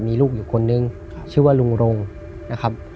มีลูกอยู่คนนึงชื่อว่าลุงรงนะครับ